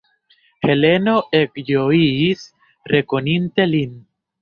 Heleno ekĝojis, rekoninte lin.